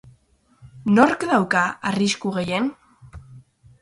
Nork dauka arrisku gehien?